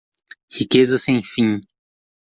Riqueza sem fim